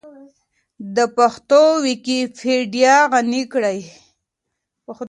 د پښتو ويکيپېډيا غني کړئ.